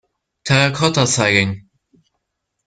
Terracotta Sighing.